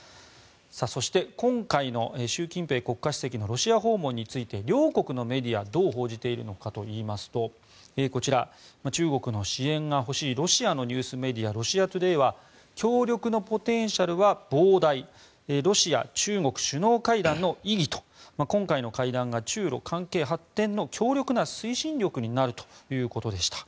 そして、今回の習近平国家主席のロシア訪問について両国のメディアどう報じているのかといいますとこちら、中国の支援が欲しいロシアのニュースメディアロシアトゥデイは協力のポテンシャルは膨大ロシア中国首脳会談の意義と今回の会談が中ロ関係発展の強力な推進力になるということでした。